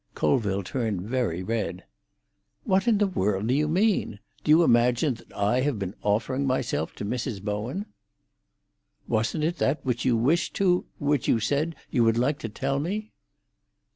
Colville turned very red. "What in the world do you mean? Do you imagine that I have been offering myself to Mrs. Bowen?" "Wasn't it that which you wished to—which you said you would like to tell me?"